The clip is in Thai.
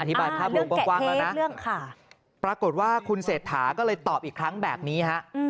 อธิบายภาพวงกว้างแล้วนะปรากฏว่าคุณเศรษฐาก็เลยตอบอีกครั้งแบบนี้ฮะ